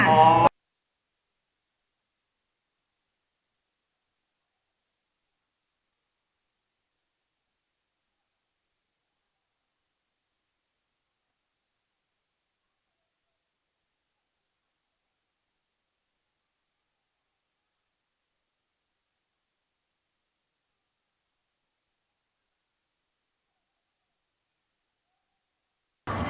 ท้องมือค่ะ